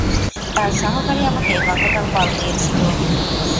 তার সহকারী আমাকে গতকাল কল দিয়েছিলো।